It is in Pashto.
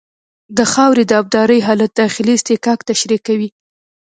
د خاورې د ابدارۍ حالت داخلي اصطکاک تشریح کوي